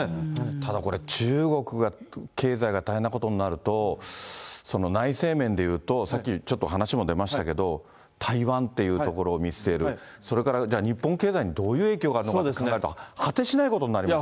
ただ、これ、中国が経済が大変なことになると、内政面でいうと、さっき、ちょっと話も出ましたけど、台湾っていう所を見据える、それからじゃあ、日本経済にどういう影響があるのか考えると、果てしないことになりますね。